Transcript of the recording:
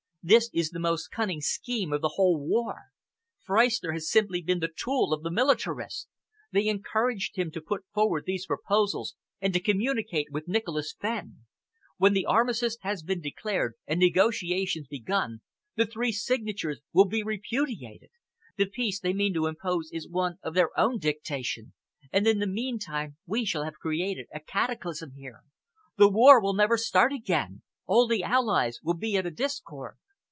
This is the most cunning scheme of the whole war. Freistner has simply been the tool of the militarists. They encouraged him to put forward these proposals and to communicate with Nicholas Fenn. When the armistice has been declared and negotiations begun, the three signatures will be repudiated. The peace they mean to impose is one of their own dictation, and in the meantime we shall have created a cataclysm here. The war will never start again. All the Allies will be at a discord."